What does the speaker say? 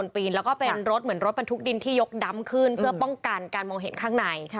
ป้องกันการมองเห็นข้างใน